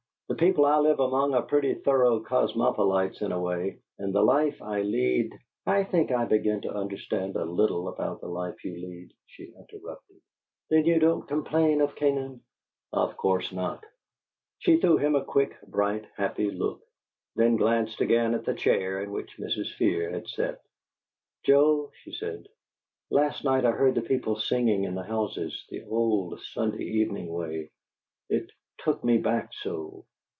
The people I live among are pretty thorough cosmopolites in a way, and the life I lead " "I think I begin to understand a little about the life you lead," she interrupted. "Then you don't complain of Canaan?" "Of course not." She threw him a quick, bright, happy look, then glanced again at the chair in which Mrs. Fear had sat. "Joe," she said, "last night I heard the people singing in the houses, the old Sunday evening way. It 'took me back so'!"